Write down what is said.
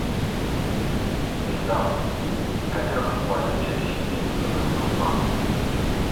نىزام: ئەجىر قىلماي ئېرىشىشنى ئۈمىد قىلما.